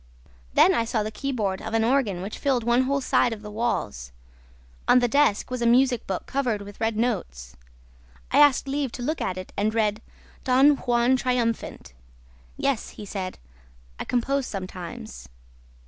"Then I saw the keyboard of an organ which filled one whole side of the walls. On the desk was a music book covered with red notes. I asked leave to look at it and read, 'Don Juan Triumphant.' 'Yes,' he said, 'I compose sometimes.'